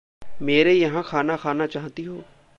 मेरे यहाँ खाना खाना चाहती हो?